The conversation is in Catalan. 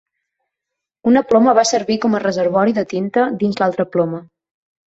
Una ploma va servir com a reservori de tinta dins l'altra ploma.